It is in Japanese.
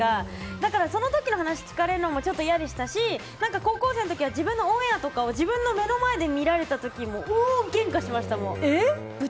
だから、その時の話を聞かれるのも嫌でしたし高校生の時は自分のオンエアとかを自分の前で見られた時も大げんかしましたもん。